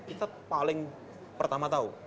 kita paling pertama tahu